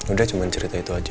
udah cuma cerita itu aja